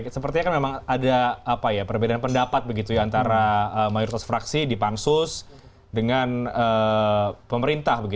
sepertinya kan memang ada perbedaan pendapat begitu ya antara mayoritas fraksi di pansus dengan pemerintah